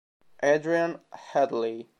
Adrian Hadley